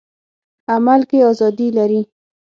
عمل کې ازادي لري.